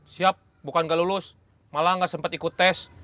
siap bukan nggak lulus malah nggak sempat ikut tes